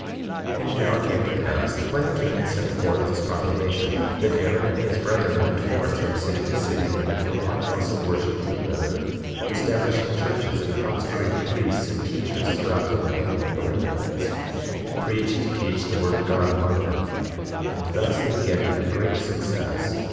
23:4 And now it came to pass that when the king had sent forth this proclamation, that Aaron and his brethren went forth from city to city, and from one house of worship to another, establishing churches, and consecrating priests and teachers throughout the land among the Lamanites, to preach and to teach the word of God among them; and thus they began to have great success.